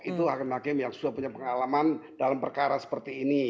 itu hakim hakim yang sudah punya pengalaman dalam perkara seperti ini